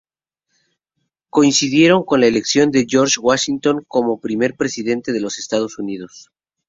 Coincidieron con la elección de George Washington como primer Presidente de los Estados Unidos.